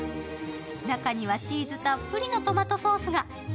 中には、チーズたっぷりのトマトソースが。